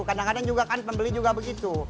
kadang kadang juga kan pembeli juga begitu